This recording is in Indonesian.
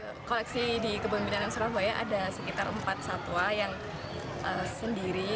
untuk koleksi di kebun binatang surabaya ada sekitar empat satwa yang sendiri